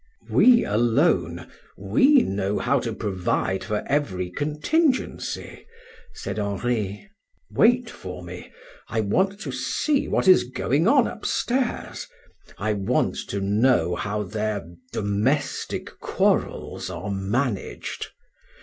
"We alone, we know how to provide for every contingency," said Henri. "Wait for me. I want to see what is going on upstairs I want to know how their domestic quarrels are managed.